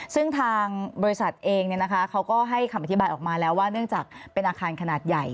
ซึ่งทางบริษัทเองเขาก็ให้คำอธิบายออกมาแล้วว่าเนื่องจากเป็นอาคารขนาดใหญ่